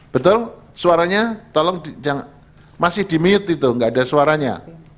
betul suaranya tolong masih di mute itu nggak ada suaranya